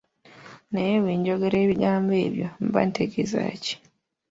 Naye bwe njogera ebigambo ebyo mba ntegeeza ki?